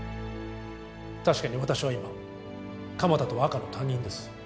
確かに私は今鎌田とは赤の他人です